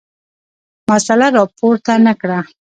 مسله راپورته نه کړه.